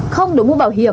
không đổi mũ bảo hiểm